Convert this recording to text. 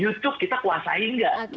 youtube kita kuasain gak